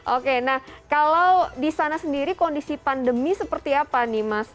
oke nah kalau di sana sendiri kondisi pandemi seperti apa nih mas